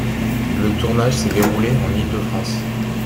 Le tournage s'est déroulé en Île-de-France.